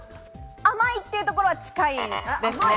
甘いというところは近いですね。